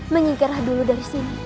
menyingkirlah dulu dari sini